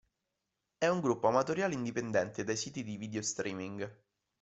È un gruppo amatoriale indipendente dai siti di video streaming.